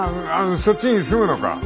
そっちに住むのか？